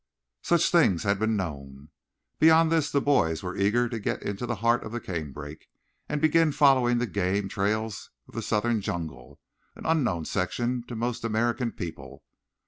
Such things had been known. Beyond this the boys were eager to get into the heart of the canebrake and begin following the game trails of the southern jungle, an unknown section to most American people.